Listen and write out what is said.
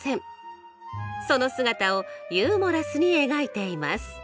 その姿をユーモラスに描いています。